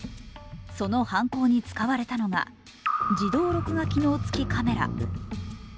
その犯行に使われたのが自動録画機能付きカメラ。